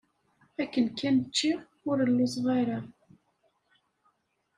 Akken kan ččiɣ, ur lluẓeɣ ara.